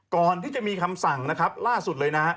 ก่อนที่จะมีคำสั่งล่าสุดเลย